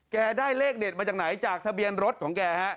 แกได้เลขเด่นมาจากไหนจากทะเบียนฤทธิ์ของแกฮะ